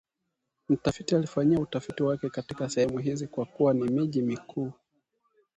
Mtafiti alifanyia utafiti wake katika sehemu hizi kwa kuwa ni miji mikuu